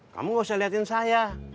kamu gak usah liatin saya